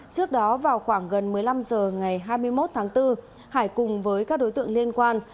trước đó vào khoảng gần một mươi năm h ngày hai mươi một tháng bốn hải cùng với các đối tượng liên quan